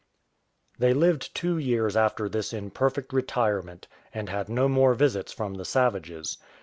They lived two years after this in perfect retirement, and had no more visits from the savages.